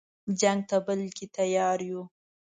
جنګ ته بالکل تیار یو.